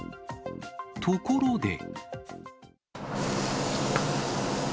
ところで。